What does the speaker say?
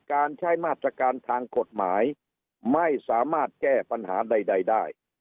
การใช้มาตรการทางกฎหมายไม่สามารถแก้ปัญหาใดได้